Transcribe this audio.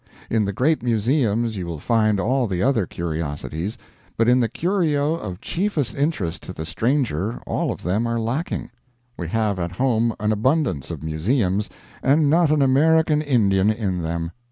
In the great museums you will find all the other curiosities, but in the curio of chiefest interest to the stranger all of them are lacking. We have at home an abundance of museums, and not an American Indian in them.